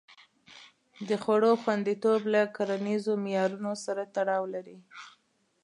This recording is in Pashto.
د خوړو خوندیتوب له کرنیزو معیارونو سره تړاو لري.